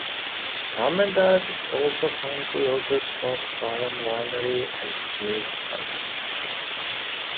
Sumerduck is also home to Rogers Ford Farm Winery and Smith's Antiques.